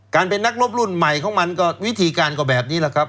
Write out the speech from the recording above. เป็นนักรบรุ่นใหม่ของมันก็วิธีการก็แบบนี้แหละครับ